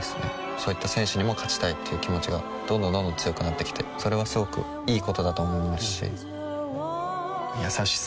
そういった選手にも勝ちたいっていう気持ちがどんどんどんどん強くなってきてそれはすごくいいことだと思いますし優しさとは？